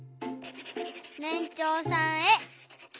「ねんちょうさんへ」。